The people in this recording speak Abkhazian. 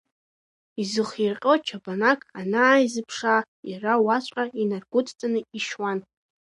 Изыхирҟьо чанабак анааизыԥшаа, иара уаҵәҟьа инаргәыдҵаны ишьуан.